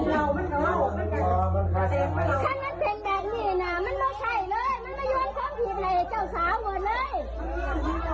ว่าเอาเข้าคุบดอกถ้าเสียฆ่าฝากนี้ก็จะฟาดดอก